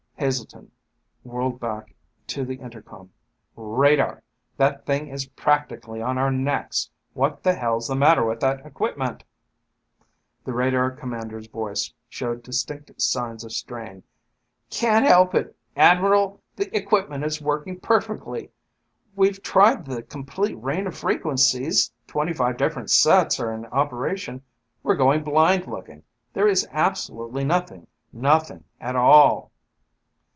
Heselton whirled back to the intercom. "Radar! That thing is practically on our necks. What the hell's the matter with that equipment...?" The radar commander's voice showed distinct signs of strain. "Can't help it, Admiral. The equipment is working perfectly. We've tried the complete range of frequencies, twenty five different sets are in operation, we're going blind looking. There is absolutely nothing, nothing at all."